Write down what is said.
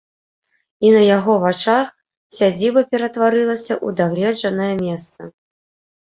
І на яго вачах сядзіба ператварылася ў дагледжанае месца.